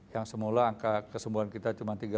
yang semula angka kesembuhan kita itu sangat besar